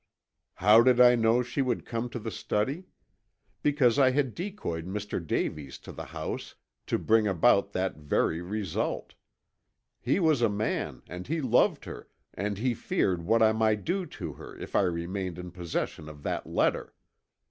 "How did I know she would come to the study? Because I had decoyed Mr. Davies to the house to bring about that very result. He was a man and he loved her and he feared what I might do to her if I remained in possession of that letter.